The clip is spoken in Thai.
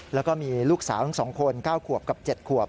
แล้วก็มีลูกสาวทั้ง๒คน๙ขวบกับ๗ขวบ